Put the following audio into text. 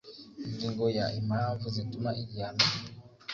Ingingo ya impamvu zituma igihano